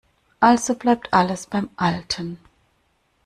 Also bleibt alles beim Alten.